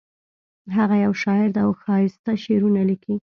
هغه یو شاعر ده او ښایسته شعرونه لیکي